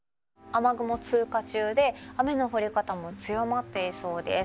雨雲通過中で、雨の降り方も強まっていそうです。